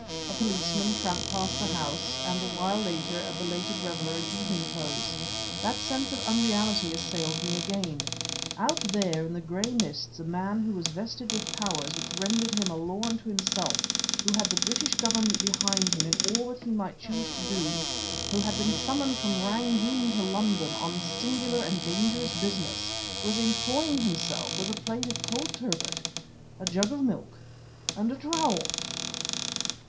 A policeman tramped past the house, and, a while later, a belated reveler in evening clothes. That sense of unreality assailed me again. Out there in the gray mists a man who was vested with powers which rendered him a law unto himself, who had the British Government behind him in all that he might choose to do, who had been summoned from Rangoon to London on singular and dangerous business, was employing himself with a plate of cold turbot, a jug of milk, and a trowel!